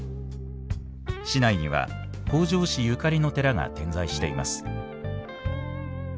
市内には北条氏ゆかりの寺が点在しています。